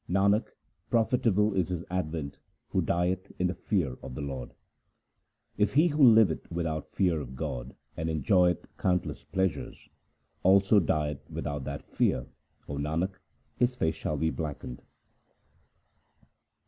Nanak, profitable is his advent who dieth in the fear of the Lord. If he who liveth without the fear of God, and enjoyeth countless pleasures, Also die without that fear, O Nanak, his face shall be blackened.